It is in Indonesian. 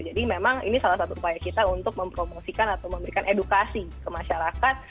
jadi memang ini salah satu upaya kita untuk mempromosikan atau memberikan edukasi ke masyarakat